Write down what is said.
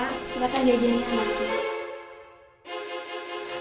silahkan diajani kemati